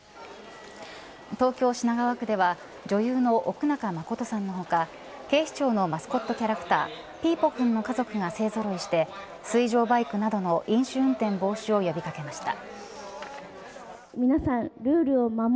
東京、品川区では女優の奥仲麻琴さんの他警視庁のマスコットキャラクターピーポくんの家族が勢ぞろいして水上バイクなどの飲酒運転防止を呼び掛けました。